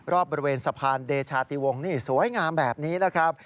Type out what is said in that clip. รอบบริเวณสะพานเดชาติวงนี่สวยงามแบบนี้นะครับ